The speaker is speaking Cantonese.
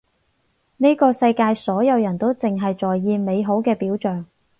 呢個世界所有人都淨係在意美好嘅表象